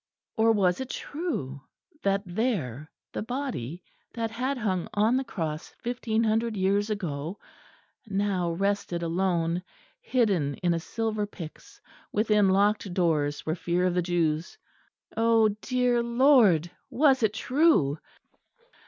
or was it true that there the body, that had hung on the cross fifteen hundred years ago, now rested alone, hidden in a silver pyx, within locked doors for fear of the Jews. Oh! dear Lord, was it true?